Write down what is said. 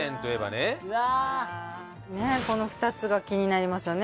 この２つが気になりますよね